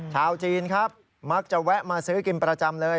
ชาวจีนครับมักจะแวะมาซื้อกินประจำเลย